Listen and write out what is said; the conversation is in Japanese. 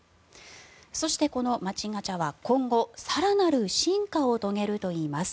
そして、この街ガチャは今後更なる進化を遂げるといいます。